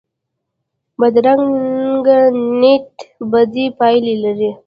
بدرنګه نیت بدې پایلې لري